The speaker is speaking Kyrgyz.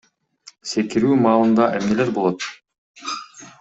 Секирүү маалында эмнелер болот?